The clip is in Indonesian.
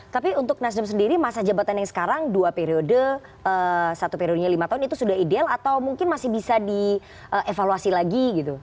tapi untuk nasdem sendiri masa jabatan yang sekarang dua periode satu periode lima tahun itu sudah ideal atau mungkin masih bisa dievaluasi lagi gitu